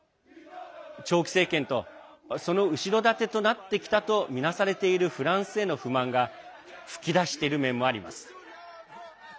長期政権とその後ろ盾となってきたとみなされているフランスへの不満が噴き出している面もあります。